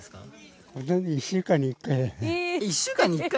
１週間に１回！？